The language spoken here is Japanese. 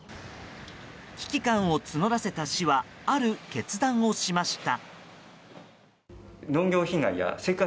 危機感を募らせた市はある決断をしました。